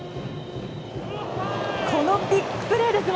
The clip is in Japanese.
このビッグプレーです